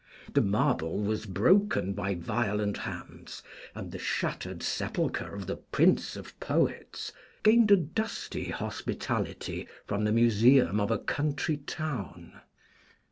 The marble was broken by violent hands, and the shattered sepulchre of the Prince of Poets gained a dusty hospitality from the museum of a country town.